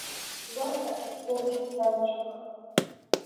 په دوه دقیقو کې حل شوه.